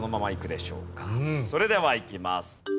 それではいきます。